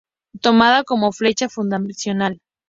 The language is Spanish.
Tomada como fecha fundacional.